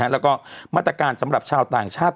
แล้วก็มาตรการสำหรับชาวต่างชาติ